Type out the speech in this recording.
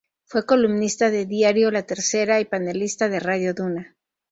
Fue columnista de Diario La Tercera y panelista de Radio Duna.